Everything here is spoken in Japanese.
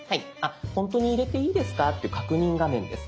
「ほんとに入れていいですか？」っていう確認画面です。